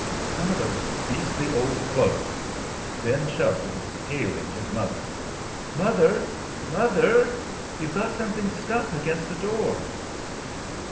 "Some of those beastly old clothes!" Ben shoved it, hailing his mother. "Mother! Mother, you've got something stuck against the door."